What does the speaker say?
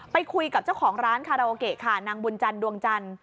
ไปคุยกับเจ้าของร้านคาราโอเกะค่ะนางบุญจันดวงจันทร์